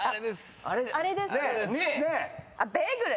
「ベーグル」！